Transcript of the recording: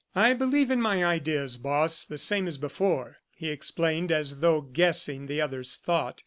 "I believe in my ideas, Boss, the same as before," he explained as though guessing the other's thought.